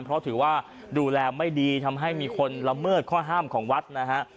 เพราะถือว่าดูแลไม่ดีทำให้มีคนละเมิดข้อห้ามของวัดนะฮะ